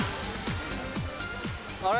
あれ？